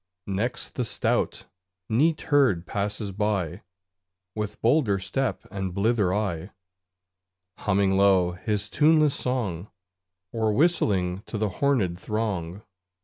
Next the stout Neat herd passes by, With bolder step and blither eye; Humming low his tuneless song, Or whistling to the hornèd throng.